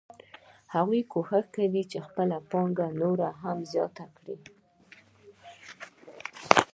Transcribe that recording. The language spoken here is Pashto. هغه کوښښ کوي چې خپله پانګه نوره هم زیاته کړي